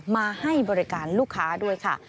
มาให้บริการลูกค้าด้วยค่ะ